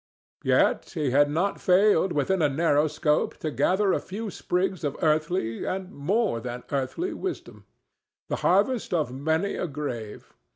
Yet he had not failed, within a narrow scope, to gather a few sprigs of earthly, and more than earthly, wisdom—the harvest of many a grave.